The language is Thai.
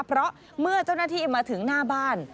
เพราะเมื่อเจ้าหน้าที่มาถึงหน้าบ้าน